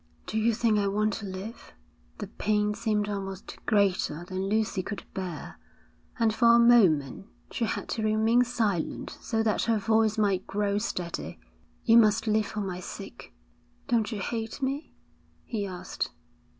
'Do you think I want to live?' The pain seemed almost greater than Lucy could bear, and for a moment she had to remain silent so that her voice might grow steady. 'You must live for my sake.' 'Don't you hate me?' he asked.